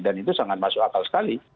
itu sangat masuk akal sekali